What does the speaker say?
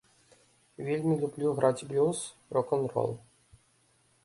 Вельмі люблю граць блюз, рок-н-рол.